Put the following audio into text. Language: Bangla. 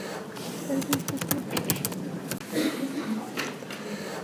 তার বিরুদ্ধে স্লোগান উঠতে থাকে।